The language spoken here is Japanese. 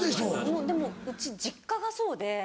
もうでもうち実家がそうで。